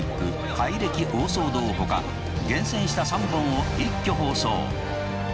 改暦大騒動」ほか厳選した３本を一挙放送。